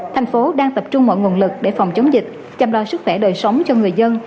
thành phố đang tập trung mọi nguồn lực để phòng chống dịch chăm lo sức khỏe đời sống cho người dân